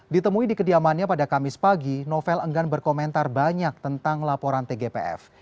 ditemui di kediamannya pada kamis pagi novel enggan berkomentar banyak tentang laporan tgpf